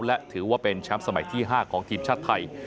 และถือว่าเป็นแชมป์สมัยที่๕ของทีมชาติไทย